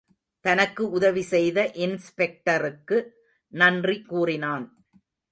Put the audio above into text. தனக்கு உதவி செய்த இன்ஸ்பெக்டருக்கு நன்றி கூறினான்.